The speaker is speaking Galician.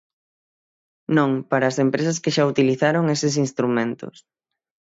Non, para as empresas que xa utilizaron eses instrumentos.